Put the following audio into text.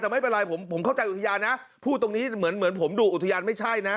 แต่ไม่เป็นไรผมเข้าใจอุทยานนะพูดตรงนี้เหมือนผมดูอุทยานไม่ใช่นะ